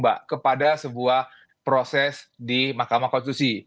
mbak kepada sebuah proses di mahkamah konstitusi